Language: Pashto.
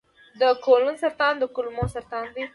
د کولون سرطان د کولمو سرطان دی.